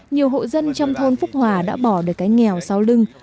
nhiều hộ dân trong thôn phúc hòa đã bỏ được cái nghèo sau lưng